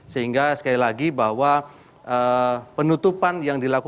sehingga sekali lagi bahwa penutupan yang dilakukan